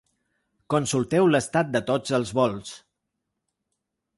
Consulteu l’estat de tots els vols.